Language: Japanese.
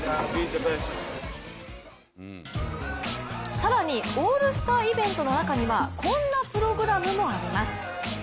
更にオールスターイベントの中にはこんなプログラムもあります。